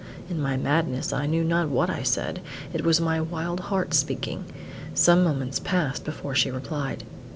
In my madness I knew not what I said; it was my wild heart speaking. Some moments passed before she replied.